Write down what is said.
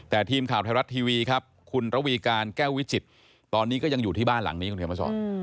แต่ทีมข่าวไทยรัฐทีวีครับคุณระวีการแก้ววิจิตรตอนนี้ก็ยังอยู่ที่บ้านหลังนี้คุณเขียนมาสอน